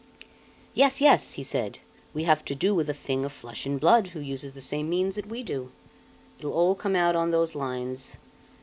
"Yes, yes!" he said. "We have to do with a thing of flesh and blood, who uses the same means that we do. It'll all come out on those lines."